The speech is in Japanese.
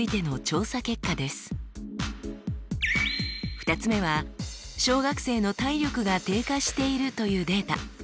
２つ目は小学生の体力が低下しているというデータ。